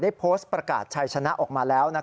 โพสต์ประกาศชัยชนะออกมาแล้ว